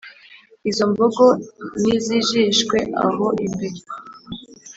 Izo mbogo nizijishwe aho imbere